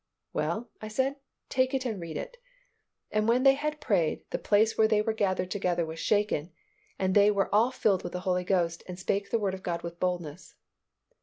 "Well," I said, "take it and read it." "And when they had prayed, the place where they were gathered together was shaken, and they were all filled with the Holy Ghost and spake the Word of God with boldness."